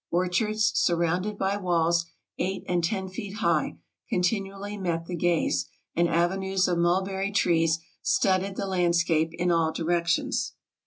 Orchards, sur rounded by walls eight and ten feet high, continually met the gaze, and avenues of mulberry trees studded the land scape in all directions.